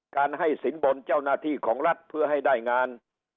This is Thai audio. ให้สินบนเจ้าหน้าที่ของรัฐเพื่อให้ได้งาน